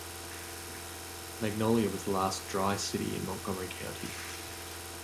Magnolia was the last "dry" city in Montgomery County.